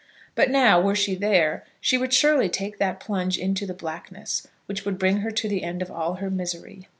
But now, were she there, she would surely take that plunge into the blackness, which would bring her to the end of all her misery!